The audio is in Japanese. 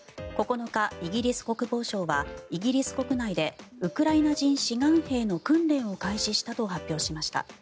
９日、イギリス国防省はイギリス国内でウクライナ人志願兵の訓練を開始したと発表しました。